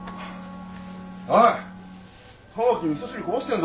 おい友樹味噌汁こぼしてんぞ。